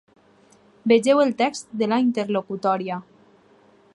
Vegeu el text de la interlocutòria.